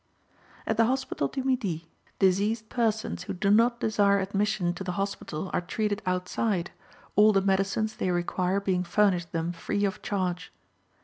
At the Hospital du Midi, diseased persons who do not desire admission to the hospital are treated outside, all the medicines they require being furnished them free of charge.